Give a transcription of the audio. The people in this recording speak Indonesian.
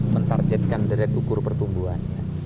menarjetkan dari ukur pertumbuhannya